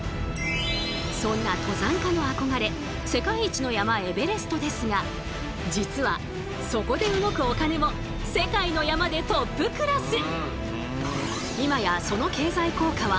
そんな登山家の憧れ世界一の山エベレストですが実はそこで動くお金も世界の山でトップクラス！